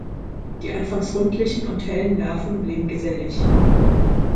Die anfangs rundlichen und hellen Larven leben gesellig.